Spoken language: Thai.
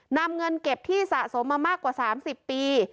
นำเงินเก็บที่สะสมมามากกว่า๓๐ปี